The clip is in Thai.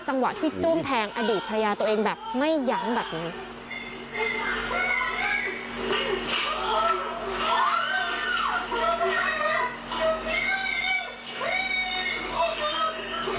จังหวะที่จ้วงแทงอดีตภรรยาตัวเองแบบไม่ยั้งแบบนี้